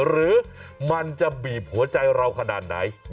หรือมันจะบีบหัวใจเราขนาดไหน